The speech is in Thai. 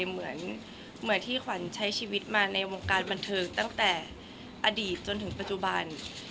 เหมือนที่ขวัญใช้ชีวิตมาในวงการบันเทิงตั้งแต่อดีตจนถึงปัจจุบัน